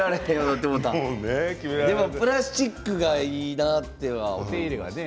プラスチックがいいなお手入れが。